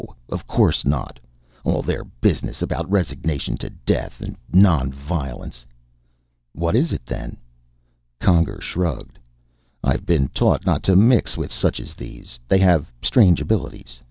Of course not. All their business about resignation to death, non violence " "What is it, then?" Conger shrugged. "I've been taught not to mix with such as these. They have strange abilities.